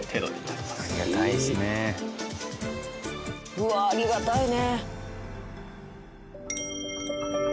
うわあありがたいね。